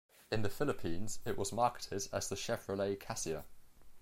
In the Philippines, it was marketed as the Chevrolet Cassia.